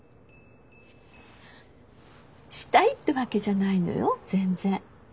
したいってわけじゃないのよ全然。